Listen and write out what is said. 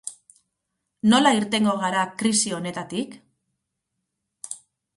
Nola irtengo gara krisi honetatik?